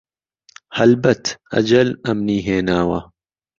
ههلبەت ئهجهل ئهمنی هێناوه